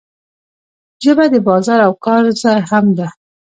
ژبه د بازار او کار ځای هم ده.